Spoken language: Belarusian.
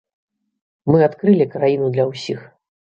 Мы адкрылі краіну для ўсіх.